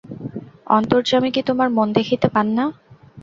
অন্তর্যামী কি তোমার মন দেখিতে পান না?